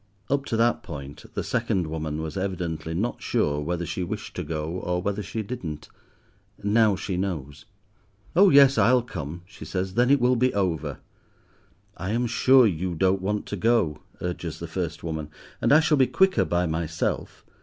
Up to that point the second woman was evidently not sure whether she wished to go or whether she didn't. Now she knows. "Oh yes, I'll come," she says, "then it will be over!" "I am sure you don't want to go," urges the first woman, "and I shall be quicker by myself.